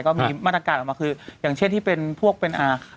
ก็มีมาตรการออกมาคืออย่างเช่นที่เป็นพวกเป็นอ่า